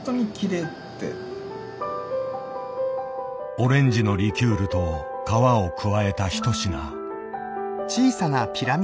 オレンジのリキュールと皮を加えた一品。